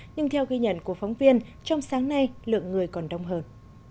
nhưng theo ghi nhận của phóng viên trong sáng nay lượng người còn đông hơn